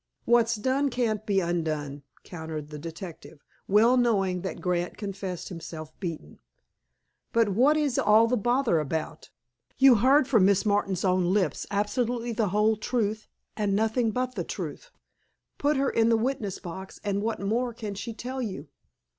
"What's done can't be undone," countered the detective, well knowing that Grant confessed himself beaten. "But what is all the bother about? You heard from Miss Martin's own lips absolutely the whole truth, and nothing but the truth. Put her in the witness box, and what more can she tell you?"